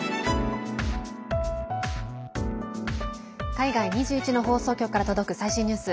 海外２１の放送局から届く最新ニュース。